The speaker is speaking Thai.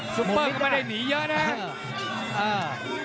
ซุปเปอร์ก็ไม่ได้หนีเยอะนะ